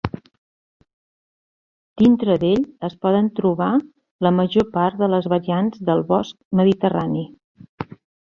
Dintre d'ell es poden trobar la major part de les varietats del bosc mediterrani.